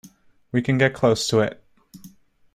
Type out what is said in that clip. We can get close to it.